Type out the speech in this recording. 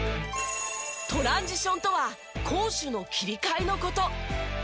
トランジションとは攻守の切り替えの事。